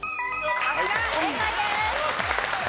正解です。